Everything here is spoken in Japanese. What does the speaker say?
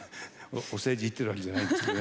お世辞言ってるわけじゃないんですけどね。